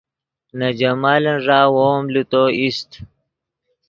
نے جمالن ݱا وو ام لے تو ایست